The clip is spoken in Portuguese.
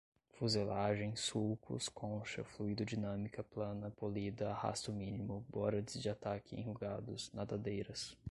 fuselagem, sulcos, concha, fluidodinâmica, plana, polida, arrasto mínimo, borods de ataque enrugados, nadadeiras